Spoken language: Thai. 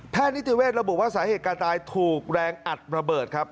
นิติเวทย์ระบุว่าสาเหตุการณ์ตายถูกแรงอัดระเบิดครับ